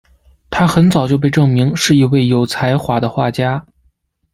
她很早就被证明是一位有才华的画家。